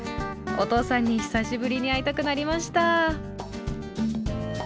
お父さんに久しぶりに会いたくなりました。